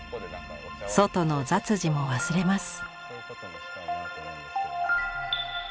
外の雑事も忘れます。